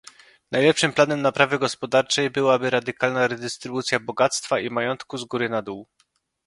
Najlepszym planem naprawy gospodarczej byłaby radykalna redystrybucja bogactwa i majątku z góry na dół